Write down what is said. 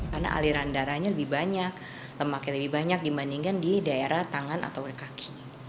karena aliran darahnya lebih banyak lemaknya lebih banyak dibandingkan di daerah tangan atau kaki